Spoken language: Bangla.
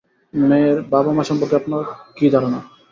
মেয়ের বাবা-মা সম্পর্কে আপনার কী ধারণা?